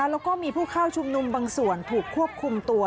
แล้วก็มีผู้เข้าชุมนุมบางส่วนถูกควบคุมตัว